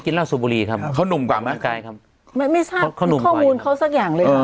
กินล่าสุบุรีครับเขานุ่มกว่าไหมไม่ไม่ทราบข้อมูลเขาสักอย่างเลย